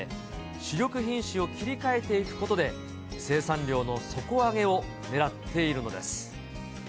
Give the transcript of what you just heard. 主力品種を切り替えていくことで、生産量の底上げをねらっているのです。